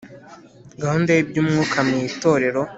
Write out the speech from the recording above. Gahunda y iby umwuka mu itorero